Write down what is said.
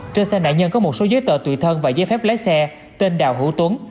trên xe nạn nhân có một số giấy tờ tùy thân và giấy phép lái xe tên đào hữu tuấn